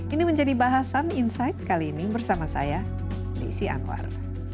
ini menjadi bahasan insight kali ini bersama saya desi anwar